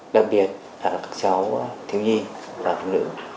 đặc biệt là các cháu thiếu nhi và phụ nữ